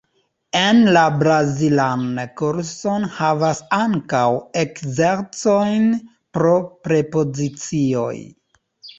En la brazilan kurson havas ankaŭ eksercojn pro prepozicioj.